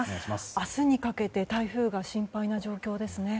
明日にかけて台風が心配な状況ですね。